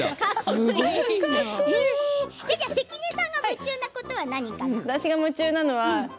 関根さんが夢中なことは何かな？